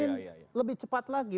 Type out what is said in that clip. kita ingin lebih cepat lagi